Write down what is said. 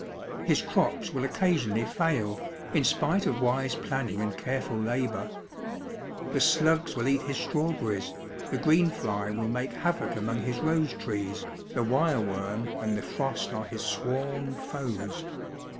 His crops will occasionally fail, in spite of wise planning and careful labour. The slugs will eat his strawberries, the green fly will make havoc among his rose trees, the wire worm and the frost are his sworn foes.